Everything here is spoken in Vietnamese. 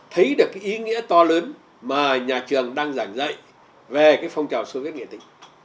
thấy được cái ý nghĩa to lớn mà nhà trường đang giảng dạy về cái phong trào soviet nghệ tĩnh